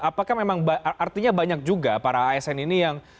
apakah memang artinya banyak juga para asn ini yang